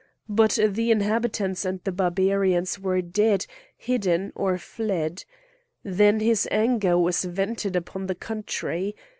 But the inhabitants and the Barbarians were dead, hidden, or fled. Then his anger was vented upon the country.